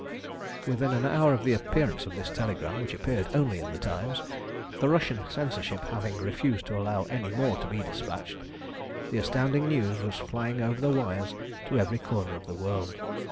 Within an hour of the appearance of this telegram, which appeared only in the Times, the Russian Censorship having refused to allow any more to be despatched, the astounding news was flying over the wires to every corner of the world.